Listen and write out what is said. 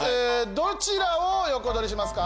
どちらを横取りしますか？